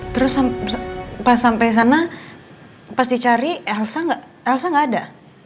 terus sampai sana pasti cari elsa nggak ada